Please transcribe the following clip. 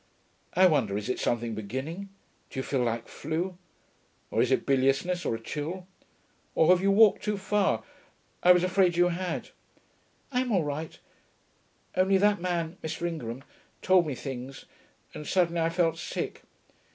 'I wonder, is it something beginning? Do you feel like flu? Or is it biliousness, or a chill? Or have you walked too far? I was afraid you were.' 'I'm all right. Only that man Mr. Ingram told me things, and suddenly I felt sick....